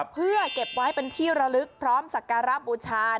เพื่อเก็บไว้เป็นที่ระลึกพร้อมสักการะบูชา